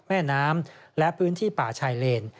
แม่น้ำและพื้นที่ป่าชายเลน